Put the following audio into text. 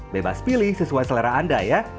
bebas pilih sesuai selera anda ya